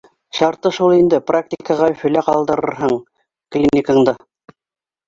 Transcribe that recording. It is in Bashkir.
Шарты шул инде практикаға Өфөлә ҡалдырырһың, клиникаңда